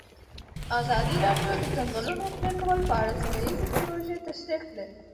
ازادي راډیو د د ځنګلونو پرېکول په اړه سیمه ییزې پروژې تشریح کړې.